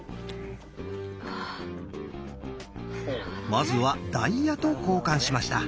まずはダイヤと交換しました。